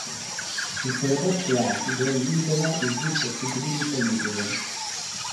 Il prodotto acido libera il gruppo ossidrilico libero.